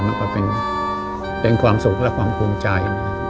แล้วก็เป็นความสุขและความภูมิใจ